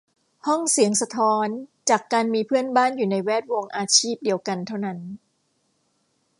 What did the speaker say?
ห้องเสียงสะท้อนจากการมีเพื่อนบ้านอยู่ในแวดวงอาชีพเดียวกันเท่านั้น